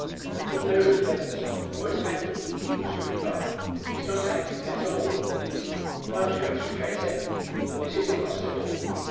"The propeller is bent or entangled," was the reply. "It's not acting at all." "Can't you extricate it?" "It is impossible."